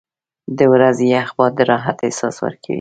• د ورځې یخ باد د راحت احساس ورکوي.